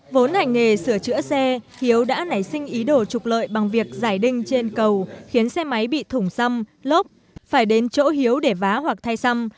vốn hành nghề sửa chữa xe hiếu đã nảy sinh ý đồ trục lợi bằng việc giải đinh trên cầu khiến xe máy bị thủng xăm lốp phải đến chỗ hiếu để vá hoặc thay xăm